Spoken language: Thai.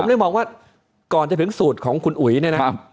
ได้มองว่าก่อนจะถึงสูตรของคุณอุ๋ยเนี่ยนะครับ